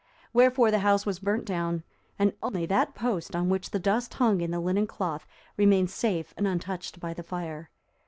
Wherefore the house was burnt down, and only that post on which the dust hung in the linen cloth remained safe and untouched by the fire.